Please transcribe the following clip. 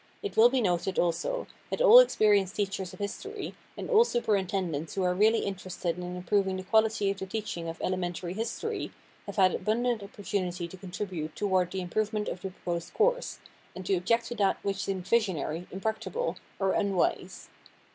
It will be noted also that all experienced teachers of history, and all superintendents who are really interested in improving the quality of the teaching of elementary history have had abundant opportunity to contribute toward the improvement of the proposed course, and to object to that which seemed visionary, impracticable, or unwise.